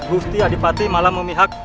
gusti adipati malah memihak